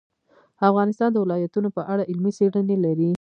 افغانستان د ولایتونو په اړه علمي څېړنې لري.